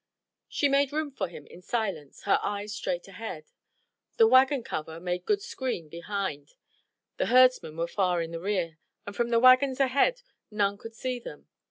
She made room for him in silence, her eyes straight ahead. The wagon cover made good screen behind, the herdsmen were far in the rear, and from the wagons ahead none could see them.